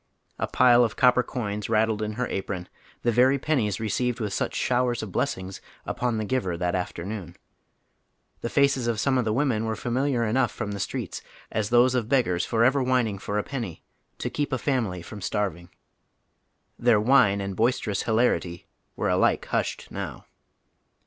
A pile of copper coins rattled in her apron, the very pennies received with sucli showers of blessings upon the giver that afternoon; the faces of some of the women were familiar enough from the streets as tliose of beggars forever whining for a penny, " to keep a family from starving," Their whine and boisterous hilarity wei'o alike hushed now.